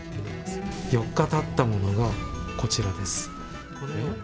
４日たったとものがこちらです。